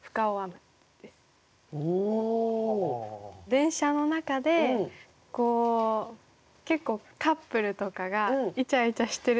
電車の中で結構カップルとかがいちゃいちゃしてるのを。